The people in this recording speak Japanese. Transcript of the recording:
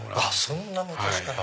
そんな昔から。